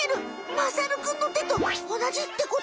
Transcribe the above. まさるくんのてとおなじってこと？